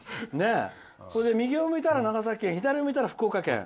それで右を向いたら長崎県左を向いたら福岡県。